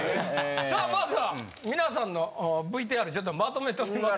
さあまずは皆さんのＶＴＲちょっとまとめております。